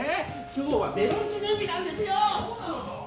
今日はメロン記念日なんですよそうなのか！